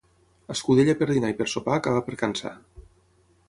Escudella per dinar i per sopar acaba per cansar.